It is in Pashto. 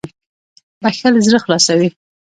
• بښل زړه خلاصوي.